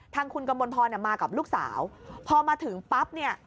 ทางคุณกมลพรมากับลูกสาวพอมาถึงปั๊บเนี่ย